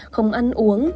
không ăn uống